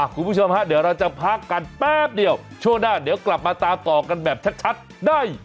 คุณผู้ชมฮะเดี๋ยวเราจะพักกันแป๊บเดียวช่วงหน้าเดี๋ยวกลับมาตามต่อกันแบบชัดได้